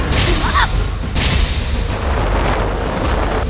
cukup main main ya kan yang kebanggaan